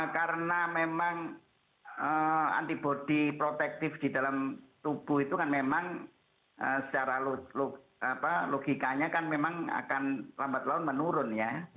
karena memang antibody protektif di dalam tubuh itu kan memang secara logikanya kan memang akan lambat laun menurun ya